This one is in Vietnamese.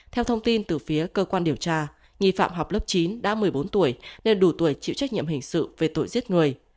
theo thông tin từ phía cơ quan điều tra nghi phạm học lớp chín đã một mươi bốn tuổi nên đủ tuổi chịu trách nhiệm hình sự về tội giết người